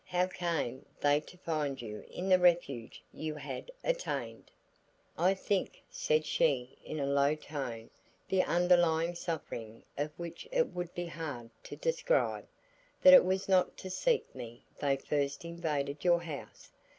How came they to find you in the refuge you had attained?" "I think," said she in a low tone the underlying suffering of which it would be hard to describe, "that it was not to seek me they first invaded your house.